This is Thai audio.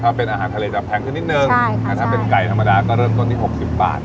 ถ้าเป็นอาหารทะเลจะแพงขึ้นนิดนึงถ้าเป็นไก่ธรรมดาก็เริ่มต้นที่๖๐บาท